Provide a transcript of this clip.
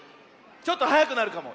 ちょっとはやくなるかも。